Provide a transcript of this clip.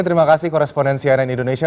terima kasih korespondensi ann indonesia